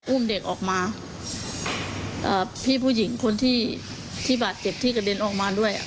อุ้มเด็กออกมาพี่ผู้หญิงคนที่ที่บาดเจ็บที่กระเด็นออกมาด้วย